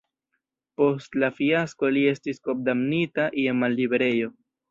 Post la fiasko li estis kondamnita je malliberejo.